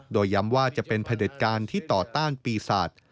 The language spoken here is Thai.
โดยย้ำว่าจะเป็นพระเด็จการที่ต่อต้านปีศาจ